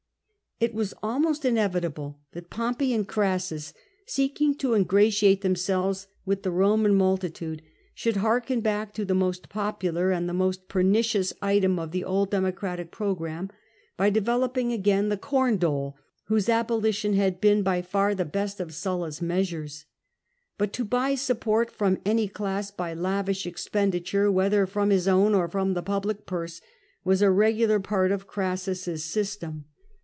It was almost inevitable that Pompey and Orassus, seeking to ingratiate themselves with the Roman multi tude, should hark back to the most popular and the most pernicious item of the old Democratic programme, by developing again the corn dole, whose abolition had been by far the best of Sulla's measures. But to buy support from any class by lavish expenditure, whether from his own or from the public purse, was a regular part of Crassus's system.